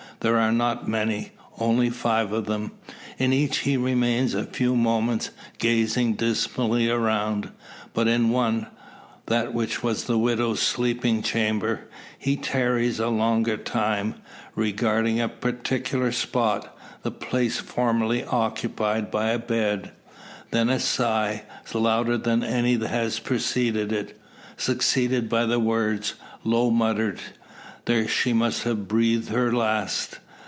There are not many only five of them. In each he remains a few moments, gazing dismally around. But in one that which was the widow's sleeping chamber he tarries a longer time; regarding a particular spot the place formerly occupied by a bed. Then a sigh, louder than any that has preceded it, succeeded by the words, low muttered: "There she must have breathed her last!"